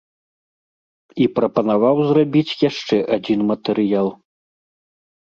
І прапанаваў зрабіць яшчэ адзін матэрыял.